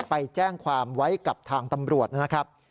ไปแจ้งความไว้กับทางตำรวจนะครับ